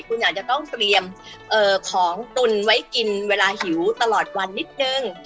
คุณอาจจะต้องเตรียมของตุนไว้กินเวลาหิวตลอดวันนิดนึง